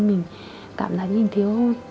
mình cảm thấy mình thiếu hút